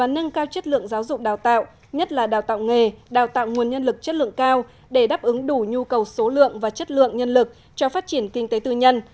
nguồn nhân lực chất lượng cao để đáp ứng đủ nhu cầu số lượng và chất lượng nhân lực cho phát triển kinh tế tư nhân